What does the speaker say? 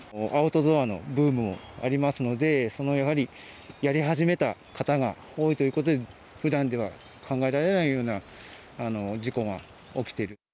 アウトドアのブームもありますのでやはり、やり始めた方が多いということでふだんでは考えられないような事故が起きている。